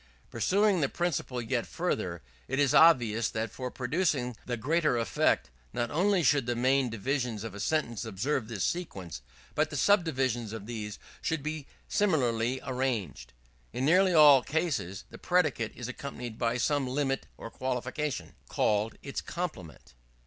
Pursuing the principle yet further, it is obvious that for producing the greatest effect, not only should the main divisions of a sentence observe this sequence, but the subdivisions of these should be similarly arranged. In nearly all cases, the predicate is accompanied by some limit or qualification, called its complement.